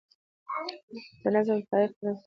د نظم تاریخ تر نثر دمخه دﺉ.